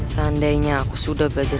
seandainya aku sudah belajar